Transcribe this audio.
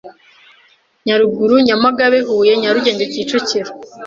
Nyaruguru Nyamagabe Huye Nyarugenge Kicukiro